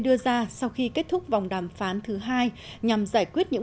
đưa ra sau khi kết thúc vòng đàm phán thứ hai nhằm giải quyết những